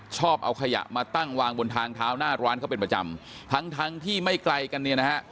ชอบเอาขยะมาตั้งวางบนทางเท้าหน้าร้านเขาเป็นประจำทั้งทั้งที่ไม่ไกลกันเนี่ยนะฮะ